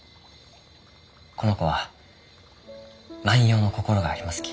この子は万葉の心がありますき。